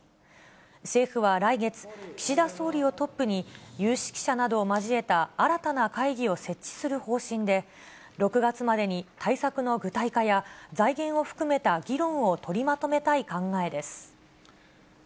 政府は来月、岸田総理をトップに、有識者などを交えた新たな会議を設置する方針で、６月までに対策の具体化や、財源を含めた議論を取りまとめたい考えです。